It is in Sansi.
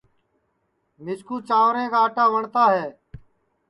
مِسکُو جانٚورے کا آٹا وٹؔتا ہے